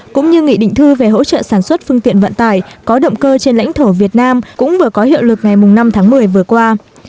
cũng như nghị định thư về hỗ trợ sản xuất phương tiện vận tải có động cơ trên lãnh thổ việt nam cũng vừa có hiệu lực ngày năm tháng một mươi vừa qua